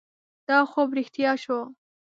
دا خوب رښتیا شو.